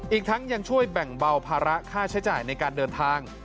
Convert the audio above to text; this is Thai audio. อีกทั้งยังช่วยแบ่งเบาภาระค่าใช้จ่ายในการเดินทาง